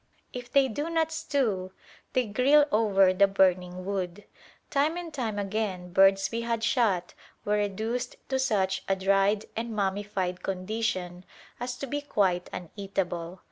If they do not stew, they grill over the burning wood. Time and time again birds we had shot were reduced to such a dried and mummified condition as to be quite uneatable.